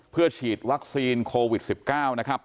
เพื่อฉีดวัคซีนโควิด๑๙นะครับ